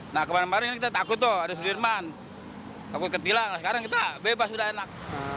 sebelum ini kita takut tuh ada sedirman takut ke tilang sekarang kita bebas sudah enak